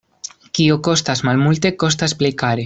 Kio kostas malmulte, kostas plej kare.